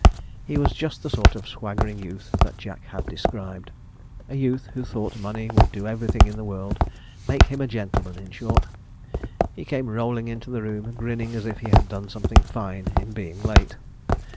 He was just the sort of swaggering youth that Jack had described; a youth who thought money would do everything in the world make him a gentleman, in short. He came rolling into the room, grinning as if he had done something fine in being late.